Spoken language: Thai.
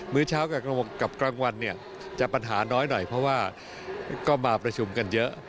ื้อเช้ากับกลางวันเนี่ยจะปัญหาน้อยหน่อยเพราะว่าก็มาประชุมกันเยอะ